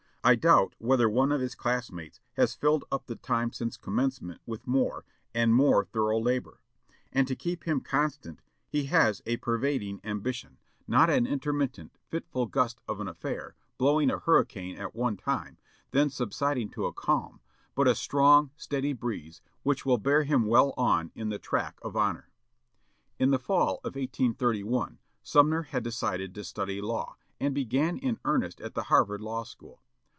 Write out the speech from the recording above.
I doubt whether one of his class mates has filled up the time since commencement with more, and more thorough labor; and to keep him constant he has a pervading ambition, not an intermittent, fitful gust of an affair, blowing a hurricane at one time, then subsiding to a calm, but a strong, steady breeze, which will bear him well on in the track of honor." In the fall of 1831 Sumner had decided to study law, and began in earnest at the Harvard Law School.